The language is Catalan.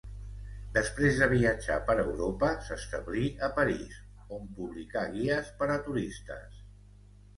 Després de viatjar per Europa s'establí a París, on publicà guies per a turistes.